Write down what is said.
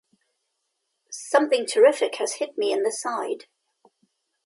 Something terrific has hit me in the side.